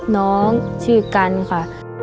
น้องชื่อกันค่ะ